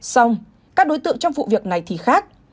xong các đối tượng trong vụ việc này thì khác